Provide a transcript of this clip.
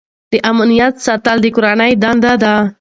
د امنیت ساتل د کورنۍ دنده ده.